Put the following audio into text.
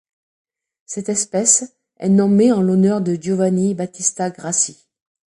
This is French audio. Cette espèce est nommée en l'honneur de Giovanni Battista Grassi.